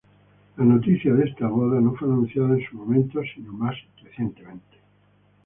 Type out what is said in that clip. La noticia de esta boda no fue anunciada en su momento sino más recientemente.